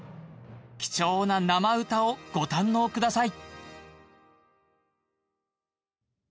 貴重な生歌をご堪能ください